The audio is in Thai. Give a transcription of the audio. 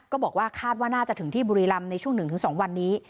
ก็บอกว่าคาดว่าน่าจะถึงที่บุรีรัมณ์ในช่วงหนึ่งถึงสองวันนี้